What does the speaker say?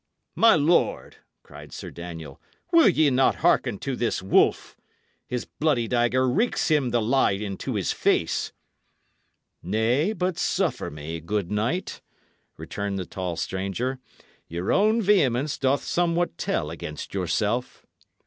"My lord," cried Sir Daniel, "ye will not hearken to this wolf? His bloody dagger reeks him the lie into his face." "Nay, but suffer me, good knight," returned the tall stranger; "your own vehemence doth somewhat tell against yourself."